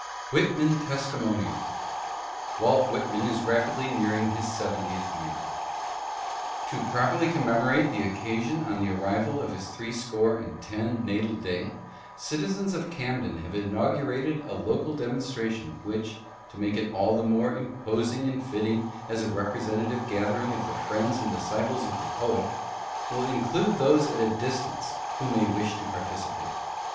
] Pitman ^testimonial. WALT WHITMAN IS RAPIDLY NEARING HIS SEVENTIETH YEAR. To properly commemorate the occasion on the arrival of his Three Score and Ten Natal Day, citizens of Camden have inaugurated a local demonstra tion which, to make it all the more imposing and fitting as a representative gathering of the Friends and Disciples of the POET, will include those at a distance who may wish to participate.